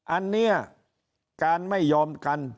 อันนี้การไม่ยอมกัน